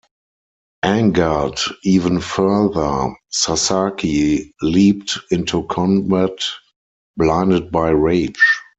Angered even further, Sasaki leapt into combat, blinded by rage.